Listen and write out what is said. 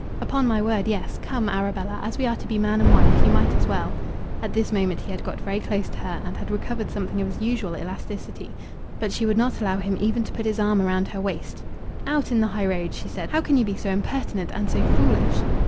"Upon my word, yes. Come, Arabella, as we are to be man and wife, you might as well." At this moment he had got very close to her, and had recovered something of his usual elasticity; but she would not allow him even to put his arm round her waist. "Out in the high road!" she said. "How can you be so impertinent, and so foolish?"